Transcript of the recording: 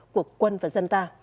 của quân và dân ta